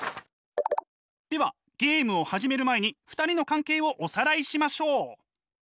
ではゲームを始める前に２人の関係をおさらいしましょう。